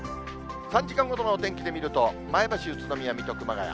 ３時間ごとのお天気で見ると、前橋、宇都宮、水戸、熊谷。